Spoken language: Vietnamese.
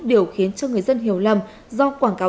tiếp theo chương trình sẽ là một điểm báo